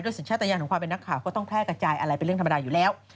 สัญชาติยานของความเป็นนักข่าวก็ต้องแพร่กระจายอะไรเป็นเรื่องธรรมดาอยู่แล้ว